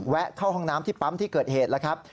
เข้าห้องน้ำที่ปั๊มที่เกิดเหตุแล้วครับ